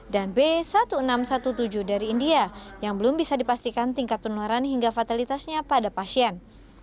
dan b satu enam satu tujuh dari india yang belum bisa dipastikan tingkat penularan hingga fatalitasnya pada pasien